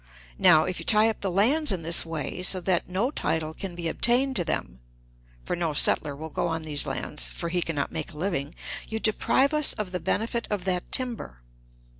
Now, if you tie up the lands in this way, so that no title can be obtained to them, for no settler will go on these lands, for he can not make a living, you deprive us of the benefit of that timber."